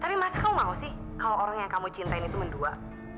tapi mas kamu mau sih kalau orang yang kamu cintai itu mendua